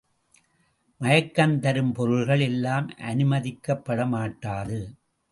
மயக்கம் தரும் பொருள்கள் எல்லாம் அனுமதிக்கப்பட மாட்டாது.